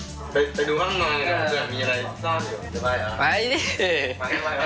เฮ้ยไปดูห้องนอนอยู่มีอะไรซ่อนอยู่เดี๋ยวไปอ่ะ